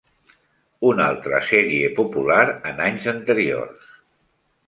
Una altra sèrie popular en anys anteriors.